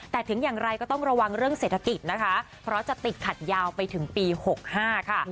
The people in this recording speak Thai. แต่ถึงอย่างไรก็ต้องระวังเรื่องเศรษฐกิจนะคะเพราะจะติดขัดยาวไปถึงปี๖๕ค่ะ